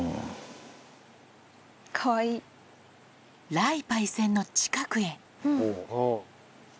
雷パイセンの近くへ。